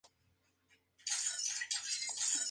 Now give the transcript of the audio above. El diseño está inspirado en la Triumph Bonneville.